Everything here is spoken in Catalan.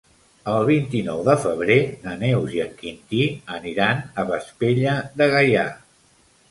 El vint-i-nou de febrer na Neus i en Quintí aniran a Vespella de Gaià.